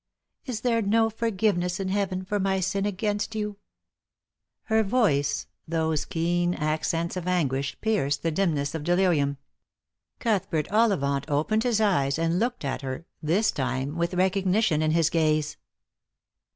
Is there no forgiveness in heaven for my sin against you ?" Her voice, those keen accents of anguish, pierced the dim ness of delirium. Cuthbert Ollivant opened his eyes and looked at her, this time with recognition in his gaze.